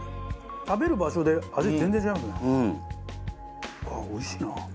食べる場所で味全然違いますね。